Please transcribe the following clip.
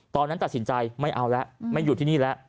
ตอนนั้นตัดสินใจไม่เอาแล้วไม่อยู่ที่นี่แล้ว